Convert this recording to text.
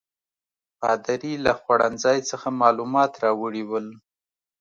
پادري له خوړنځای څخه معلومات راوړي ول.